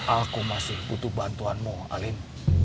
aku masih butuh bantuanmu alim